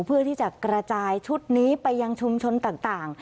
เพื่อที่จะกระจายชุดนี้ไปยังชุมชนต่าง